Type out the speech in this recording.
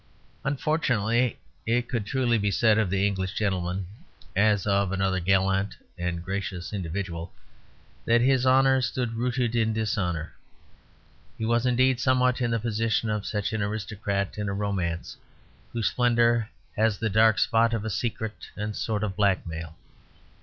Unfortunately it could truly be said of the English gentleman, as of another gallant and gracious individual, that his honour stood rooted in dishonour. He was, indeed, somewhat in the position of such an aristocrat in a romance, whose splendour has the dark spot of a secret and a sort of blackmail.